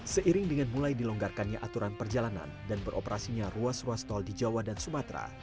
seiring dengan mulai dilonggarkannya aturan perjalanan dan beroperasinya ruas ruas tol di jawa dan sumatera